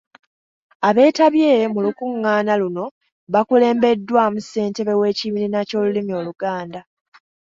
Abeetabye mu lukungaana luno bakulembeddwamu ssentebe w’ekibiina ky’olulimi Oluganda.